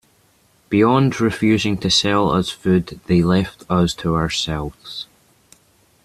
Beyond refusing to sell us food, they left us to ourselves.